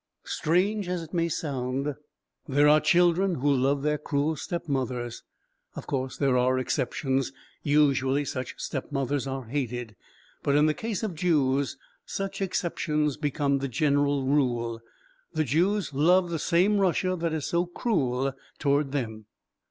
Strange as it may sound, there are children who love their cruel stepmothers. Of course, they are exceptions; usually such stepmothers are hated. But in the case of Jews such exceptions become the general rule: the Jews love the same Russia that is so cruel toward them.